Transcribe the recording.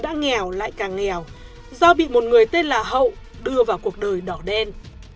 đã nghèo lại càng nghèo do bị một người tên là hậu đưa vào cuộc đời đỏ đen